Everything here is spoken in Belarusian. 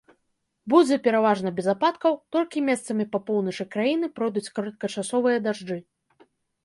Будзе пераважна без ападкаў, толькі месцамі па поўначы краіны пройдуць кароткачасовыя дажджы.